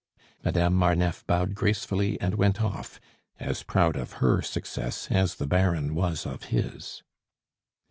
Madame Marneffe bowed gracefully and went off, as proud of her success as the Baron was of his.